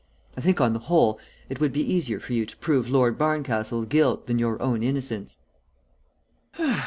I think, on the whole, it would be easier for you to prove Lord Barncastle's guilt than your own innocence."